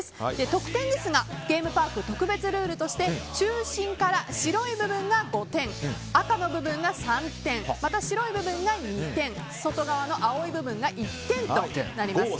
得点ですがゲームパーク特別ルールとして中心から白い部分が５点赤の部分が３点また白い部分が２点外側の青い部分が１点となります。